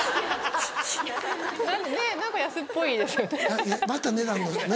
ねぇ何か安っぽいですよね。